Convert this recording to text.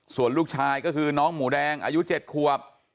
ส่วนลูกชายก็คือน้องหมูแดงอายุ๗ขวบ